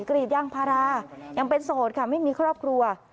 กรีดยางพารายังเป็นโสดค่ะไม่มีครอบครัว